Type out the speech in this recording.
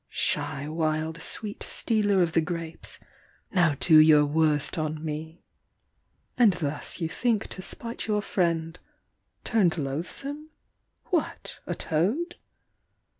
Shy wild sweet stealer of the grapes! Now do your worst on me! And thus you think to spite your friend turned loathsome? What, a toad?